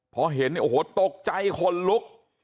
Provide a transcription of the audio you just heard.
เพราะเห็นโอ้โหตกใจขนลุก